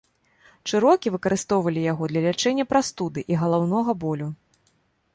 Чэрокі выкарыстоўвалі яго для лячэння прастуды і галаўнога болю.